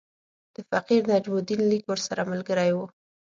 د فقیر نجم الدین لیک ورسره ملګری وو.